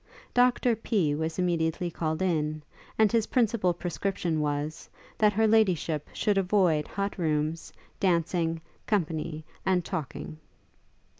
Dr P was immediately called in, and his principal prescription was, that Her Ladyship should avoid hot rooms, dancing, company, and talking.